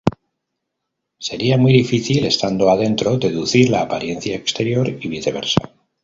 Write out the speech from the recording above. Sería muy difícil, estando adentro, deducir la apariencia exterior y viceversa.